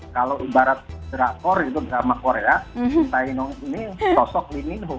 kalau ibarat draktor itu bersama korea cintayong ini sosok lee min ho